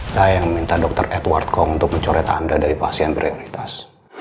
saya yang minta dr edward cong untuk mencoret anda dari pasien prioritas